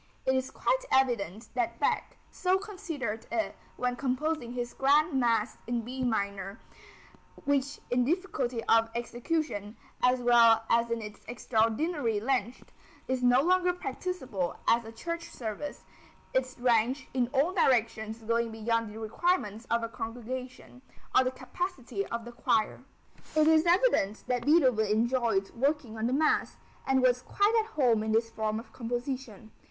It is quite evident that Bach so considered it when composing his grand mass in B minor, which in difficulty of execution, as well as in its extraordinary length, is no longer practicable as a church service, its range in all directions going beyond the requirements of a congregation, or the capacity of the choir. It is evident that Beethoven enjoyed working on the Mass, and was quite at home in this form of composition.